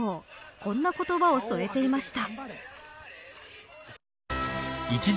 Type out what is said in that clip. こんな言葉を添えていました。